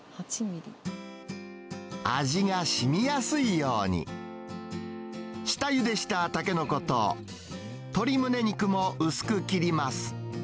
味がしみやすいように、下ゆでしたタケノコと、鶏ムネ肉も薄く切ります。